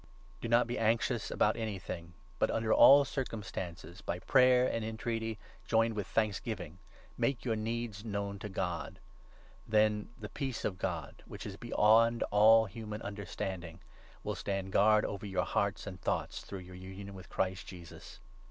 Do not be anxious 6 3 Ps. 69. 38. 404 PHILIFPIANS, 4 about anything ; but under all circumstances, by prayer and entreaty joined with thanksgiving, make your needs known to God. Then the Peace of God, which is beyond all human 7 understanding, will stand guard over your hearts and thoughts, through your union with Christ Jesus.